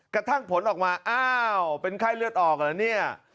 กระตั้งผลออกมาเป็นไข่เลือดออกเหรอนี่